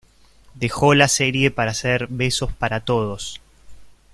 Dejó la serie para hacer "Besos para todos".